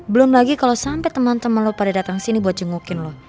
belum lagi kalo sampe temen temen lo pada dateng sini buat jengukin lo